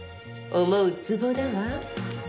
思うつぼだわ。